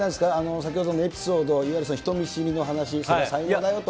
先ほどのエピソード、いわゆる人見知りの話、才能だよと。